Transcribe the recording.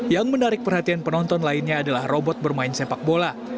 yang menarik perhatian penonton lainnya adalah robot bermain sepak bola